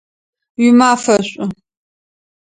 Уимафэ шӏу!